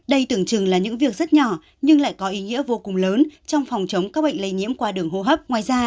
đây tưởng chừng là những việc rất nhỏ nhưng lại có ý nghĩa vô cùng lớn trong phòng chống các bệnh lây nhiễm qua đường hô hấp